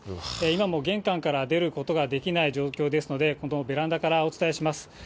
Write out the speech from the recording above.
今も玄関から出ることができない状況ですので、ベランダからお伝えします。